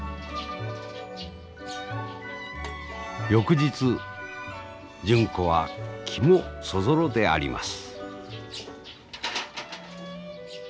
翌日純子は気もそぞろであります。